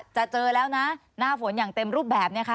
เจอแล้วนะหน้าฝนอย่างเต็มรูปแบบเนี่ยค่ะ